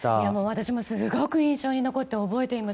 私もすごく印象に残って覚えています。